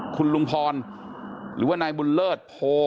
คุณลุงพรหรือว่านายบุญเลิศโพ